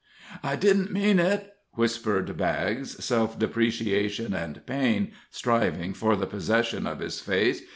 "I didn't mean it," whispered Baggs, self depreciation and pain striving for the possession of his face.